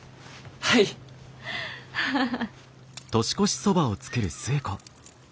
はい！ハハハ。